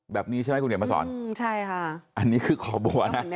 แบบนี้ใช่ไหมคุณเหนียวมาสอนอันนี้คือคอบัวนะ